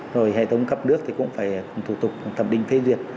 rồi hệ thống cấp nước thì cũng phải thủ tục tập đình phê duyệt